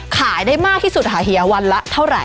ขายได้มากที่สุดหาเหยียวันแล้วเท่าไร